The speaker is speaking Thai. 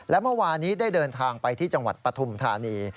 และเมื่อวานี้ได้เดินทางไปที่จังหวัดปฐุมธานี